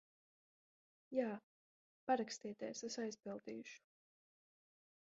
Jā. Parakstieties, es aizpildīšu.